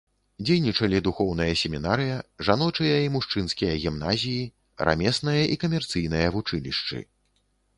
Дзейнічалі духоўная семінарыя, жаночыя і мужчынскія гімназіі, рамеснае і камерцыйнае вучылішчы.